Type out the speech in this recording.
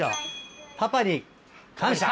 「パパに感謝」。